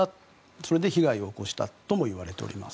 それで被害を起こしたともいわれています。